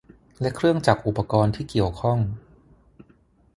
และเครื่องจักรอุปกรณ์ที่เกี่ยวข้อง